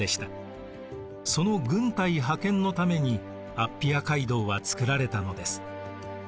その軍隊派遣のためにアッピア街道はつくられたのです。